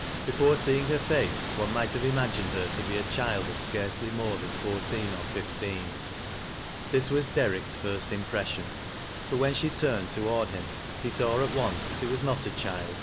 Before seeing her face one might have imagined her to be a child of scarcely more than fom teen or fifteen. This was Derrick's first impres sion ; but when she turned toward him he saw at once that it was not a child.